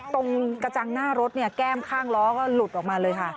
กระจังหน้ารถเนี่ยแก้มข้างล้อก็หลุดออกมาเลยค่ะ